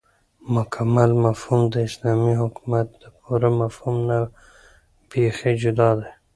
مكمل مفهوم داسلامي حكومت دپوره مفهوم نه بيخي جدا دى